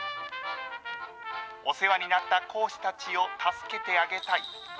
お世話になった講師たちを助けてあげたい。